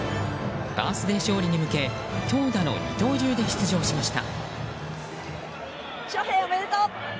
バースデー勝利に向け投打の二刀流で出場しました。